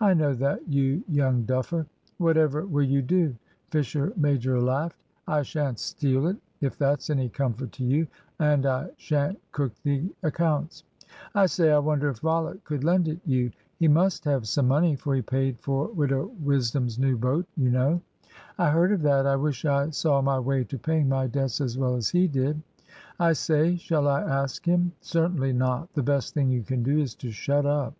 "I know that, you young duffer." "Whatever will you do?" Fisher major laughed. "I shan't steal it, if that's any comfort to you; and I shan't cook the accounts." "I say, I wonder if Rollitt could lend it you. He must have some money, for he paid for Widow Wisdom's new boat, you know." "I heard of that. I wish I saw my way to paying my debts as well as he did." "I say, shall I ask him?" "Certainly not. The best thing you can do is to shut up."